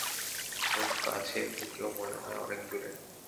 ও কাছে থেকেও মনে হয় অনেক দূরে!